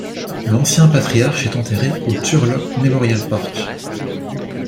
L'ancien patriarche est enterré au Turlock Memorial Park.